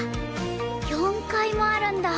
４階もあるんだ！